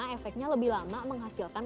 efeknya lebih lama menghasilkan